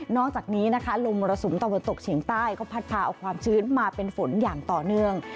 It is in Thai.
อกจากนี้นะคะลมมรสุมตะวันตกเฉียงใต้ก็พัดพาเอาความชื้นมาเป็นฝนอย่างต่อเนื่อง